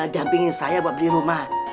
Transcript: dan pingin saya buat beli rumah